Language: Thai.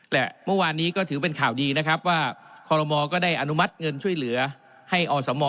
และเมื่อวานนี้ก็ถือเป็นข่าวดีนะครับว่าคอลโมก็ได้อนุมัติเงินช่วยเหลือให้อสม